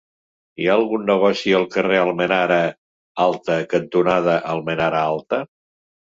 Hi ha algun negoci al carrer Almenara Alta cantonada Almenara Alta?